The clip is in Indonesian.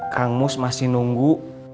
kang mus masih nunggu